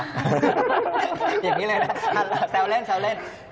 อย่างนี้เลยนะแซวเล่น